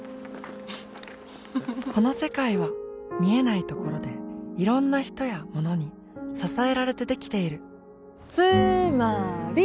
この世界は見えないところでいろんな人やものに支えられてできているつーまーり！